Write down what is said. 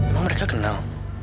emang mereka kenal